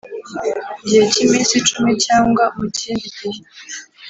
gihe cy iminsi icumi cyangwa mu kindi gihe